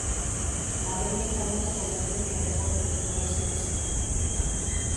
Aprenden tamén da poboación que atopan polos lugares que visitan?